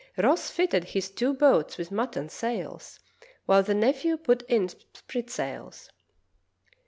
Ross fitted his two boats with mutton sails, while the nephew put in sprit sails.